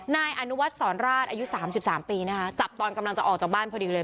นายอนุวัฒน์สอนราชอายุ๓๓ปีนะคะจับตอนกำลังจะออกจากบ้านพอดีเลย